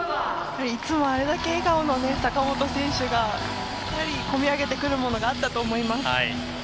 いつもあれだけ笑顔の坂本選手がこみ上げてくるものがあったと思います。